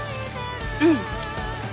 うん。